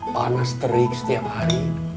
panas terik setiap hari